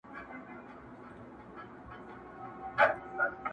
هر یو زوی به دي له ورور سره دښمن وي؛